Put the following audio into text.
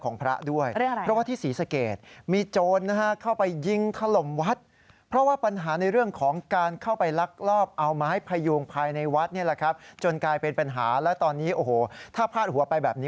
ค่ะที่บริเวณอวัยวะแล้วอ่าต้องบอกด้วยว่าเป็นอวัยวะเพศ